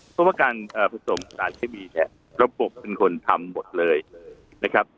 เพราะว่าการผสมสารเคมีเนี่ยระบบเป็นคนทำหมดเลยนะครับ